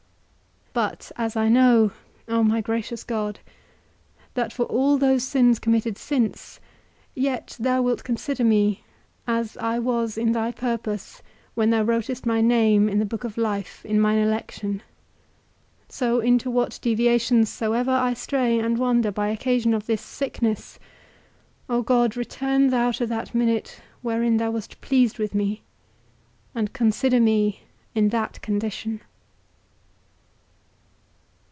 But as I know, O my gracious God, that for all those sins committed since, yet thou wilt consider me, as I was in thy purpose when thou wrotest my name in the book of life in mine election; so into what deviations soever I stray and wander by occasion of this sickness, O God, return thou to that minute wherein thou wast pleased with me and consider me in that condition.